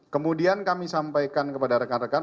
kemudian kami sampaikan kepada rekan rekan